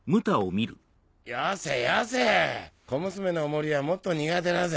よせよせ小娘のお守りはもっと苦手だぜ。